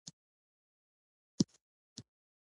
او ته بې غمه یې ؟